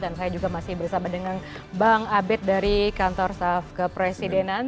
dan saya juga masih bersama dengan bang abed dari kantor saf kepresidenan